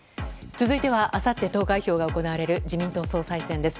続いてはあさって投開票が行われる自民党総裁選です。